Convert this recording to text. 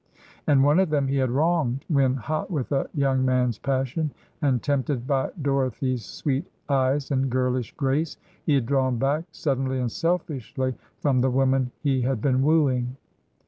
And one of them he had wronged, when, hot with a young man's passion, and tempted by Dorothy's sweet eyes and girlish grace, he had drawn back, suddenly and selfishly, from the woman he had been wooing.